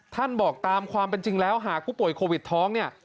บอกตามความเป็นจริงแล้วหากผู้ป่วยโควิดท้องเนี่ย